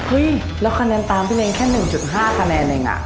อุ้ยแล้วคะแนนตามพี่เล้งแค่๑๕คะแนนเองอ่ะ